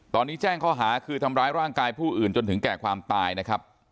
ตอนนี้แจ้งข้อหาคือทำร้ายร่างกายผู้อื่นจนถึงแก่ความตายนะครับ